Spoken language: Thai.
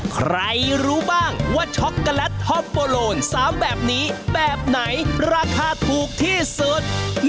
ใครรู้บ้างว่าช็อกโกแลตท็อปโปโลน๓แบบนี้แบบไหนราคาถูกที่สุด